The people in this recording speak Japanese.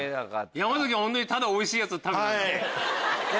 山崎はただおいしいやつを食べてたんだ。